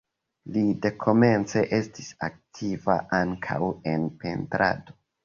Li dekomence estis aktiva ankaŭ en pentrado.